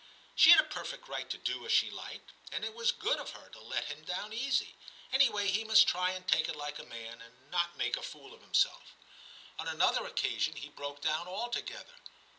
She had a perfect right to do as she liked, and it was good of her to let him down easy ; anyway he must try and take it like a man, and not make a fool of himself. XI TIM 261 On another occasion he broke down altogether.